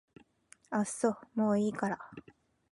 あっそもういいから